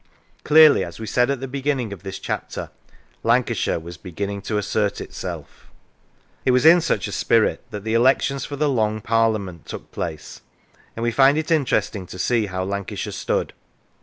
Clearly, as we said at the beginning of this chapter, Lancashire was beginning to assert itself. It was in such a spirit that the elections for the Long Parliament took place, and we find it interesting to see how Lancashire stood.